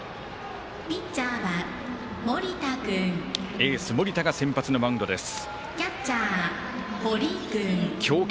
エース、盛田が先発のマウンドです。